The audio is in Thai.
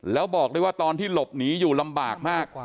แล้วบอกได้ว่าตอนที่หลบหนีอยู่ลำบากมาก